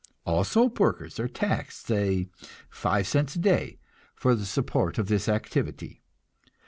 All soap workers are taxed, say five cents a day, for the support of this activity.